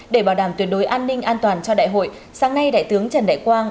để bảo đảm tuyệt đối an ninh an toàn cho đại hội sáng nay đại tướng trần đại quang